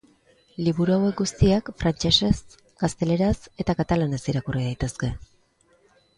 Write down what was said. Liburu hauek guztiak frantsesez, gazteleraz eta katalanez irakurri daitezke.